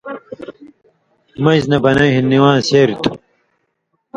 مژ نہ بنَیں ہِن نِوان٘ز شریۡ تھُو۔